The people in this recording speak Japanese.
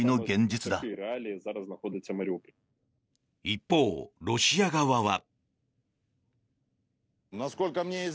一方、ロシア側は。